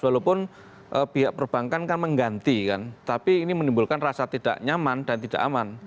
walaupun pihak perbankan kan mengganti kan tapi ini menimbulkan rasa tidak nyaman dan tidak aman